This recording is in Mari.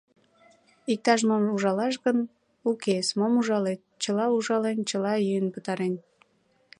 Иктаж-мом ужалаш гын... укес, мом ужалет: чыла ужален, чыла йӱын пытарен.